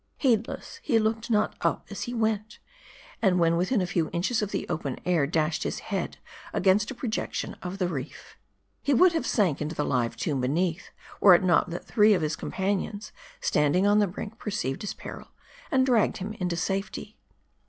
Heedless, he looked not up as he went ; and when within a few inches of the open air, dashed his head against a projection of the reef. He would have M A ii D I. 339 sunk into the live tomb beneath, were it not that three of his companions, standing on the brink, perceived his peril, and dragged him into safety.